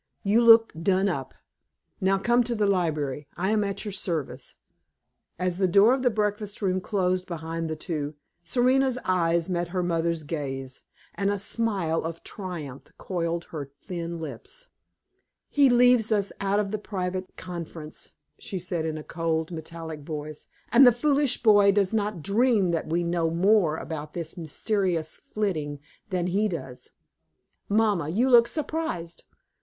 "You look done up. Now come to the library. I am at your service." As the door of the breakfast room closed behind the two, Serena's eyes met her mother's gaze, and a smile of triumph coiled her thin lips. "He leaves us out of the private conference," she said in a cold, metallic voice, "and the foolish boy does not dream that we know more about this mysterious flitting than he does. Mamma, you look surprised.